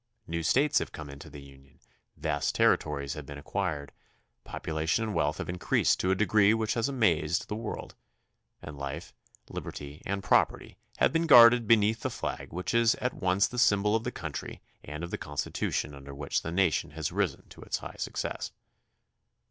New States have come into the Union, vast territories have been acquired, population and wealth have increased to a degree which has amazed the world, and life, liberty, and property have been guarded beneath the flag which is at once the symbol of the country and of the Constitution under which the nation has risen to its high success.